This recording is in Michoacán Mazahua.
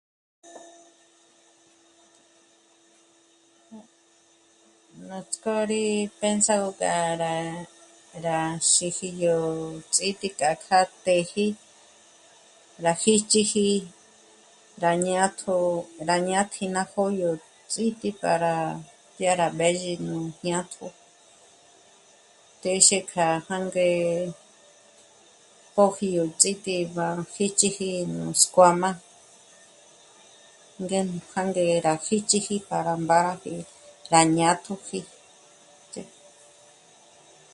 Nuts'k'ó rí penságo k'a rá, rá xíji yó ts'ítǐ'i k'a kjâ'a téji, rá jíchiji rá jñátjo, rá ñátji ná jó'o yó ts'ítǐ'i para ya rá b'ézhi nú jñátjo téxe k'a jânge póji yó ts'ítǐ'i b'á jíchiji nú skuǎm'a, ngé nú jânge rá jíchiji para mbáraji rá ñátjoji